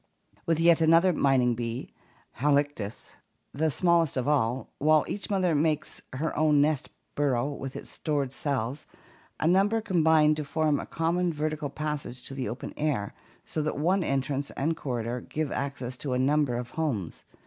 With yet another mining bee, Halictus, the smallest of all, while each mother makes her own nest burrow with its stored cells, a number combine to form a common vertical passage to the open air, so that one entrance and corridor give access to a number of homes.